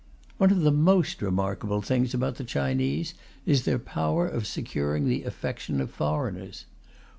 One of the most remarkable things about the Chinese is their power of securing the affection of foreigners.